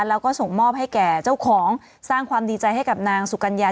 แล้วก็ส่งมอบให้แก่เจ้าของสร้างความดีใจให้กับนางสุกัญญา